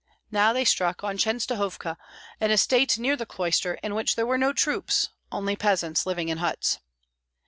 Now they struck, on Chenstohovka, an estate near the cloister, in which there were no troops, only peasants living in huts.